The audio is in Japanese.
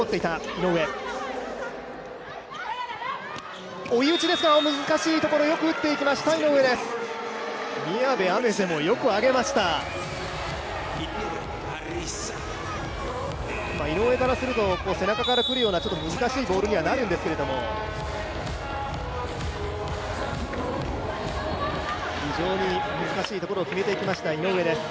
井上からすると背中から来るような難しいボールにはなるんですけども非常に難しいところを決めていきました、井上です。